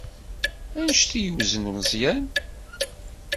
Anect ay yewzen Meẓyan?